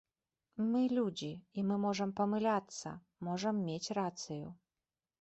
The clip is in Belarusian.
Мы людзі, і мы можам памыляцца, можам мець рацыю.